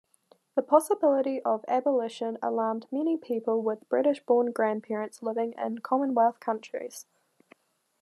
The possibility of abolition alarmed many people with British-born grandparents living in Commonwealth countries.